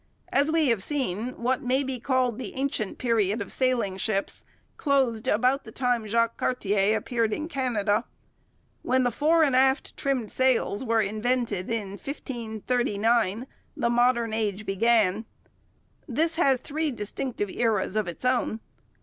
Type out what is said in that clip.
As we have seen, what may be called the ancient period of sailing ships closed about the time Jacques Cartier appeared in Canada. When the fore and aft trimmed sails were invented in 1539, the modern age began. This has three distinctive eras of its own.